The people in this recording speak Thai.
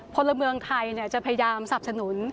พลเมืองไทยจะพยายามสับสนุน